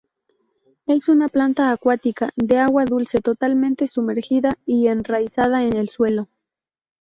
Es una planta acuática, de agua dulce, totalmente sumergida y enraizada en el suelo.